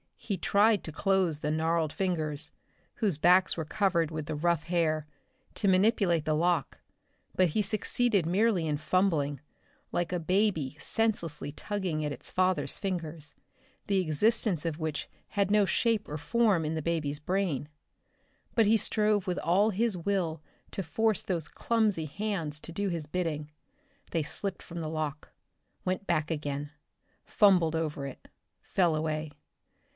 He tried to close the gnarled fingers, whose backs were covered with the rough hair, to manipulate the lock, but he succeeded merely in fumbling like a baby senselessly tugging at its father's fingers, the existence of which had no shape or form in the baby's brain. But he strove with all his will to force those clumsy hands to do his bidding. They slipped from the lock, went back again, fumbled over it, fell away.